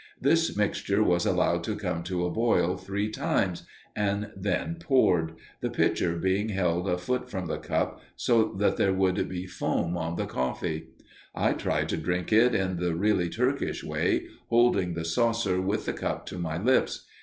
This mixture was allowed to come to a boil three times and then poured, the pitcher being held a foot from the cup so that there would be foam on the coffee. I tried to drink it in the really Turkish way, holding the saucer with the cup to my lips.